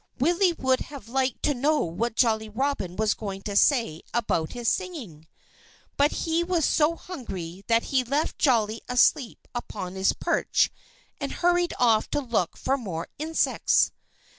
Willie would have liked to know what Jolly Robin was going to say about his singing. But he was so hungry that he left Jolly asleep upon his perch and hurried off to look for more insects.